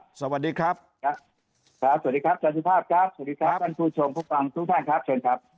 สวัสดีครับสวัสดีครับสวัสดีครับท่านผู้ชมทุกท่านครับเชิญครับ